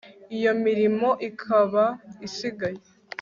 iyo mirimo ikaba isigaye